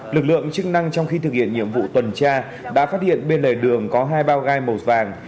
lực lượng chức năng trong khi thực hiện nhiệm vụ tuần tra đã phát hiện bên lề đường có hai bao gai màu vàng